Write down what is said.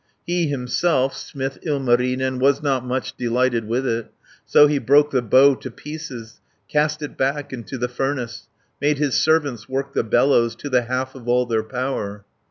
He himself, smith Ilmarinen, Was not much delighted with it, So he broke the bow to pieces, Cast it back into the furnace, Made his servants work the bellows, To the half of all their power.